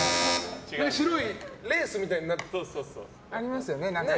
白いレースみたいになってるのありますよね。